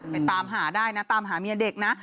ตามหาได้นะตามหาเมียเด็กนะ